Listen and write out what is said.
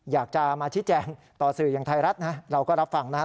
อยากจะมาชี้แจงต่อสื่ออย่างไทยรัฐนะเราก็รับฟังนะครับ